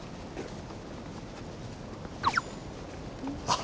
あっ。